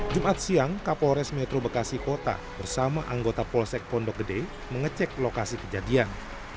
jumat siang kapolres metro bekasi kota bersama anggota polsek pondok gede mengecek lokasi kejadian